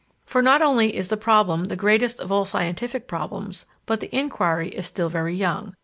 For not only is the problem the greatest of all scientific problems, but the inquiry is still very young.